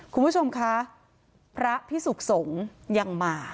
คุณผู้ชมคะพระพิสุขสงฆ์ยังมา